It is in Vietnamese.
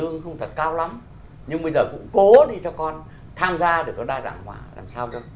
nhưng bây giờ cũng cố đi cho con tham gia để có đa dạng họa làm sao đâu